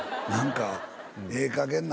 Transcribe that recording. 何か。